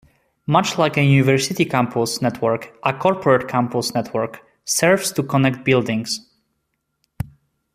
Much like a university campus network, a corporate campus network serves to connect buildings.